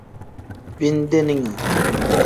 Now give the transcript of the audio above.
Bindeninga.